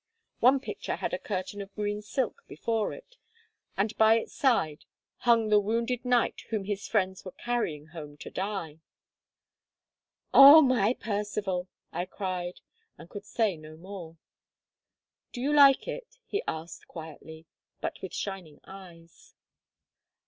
One picture had a curtain of green silk before it, and by its side hung the wounded knight whom his friends were carrying home to die. "O my Percivale!" I cried, and could say no more. "Do you like it?" he asked quietly, but with shining eyes.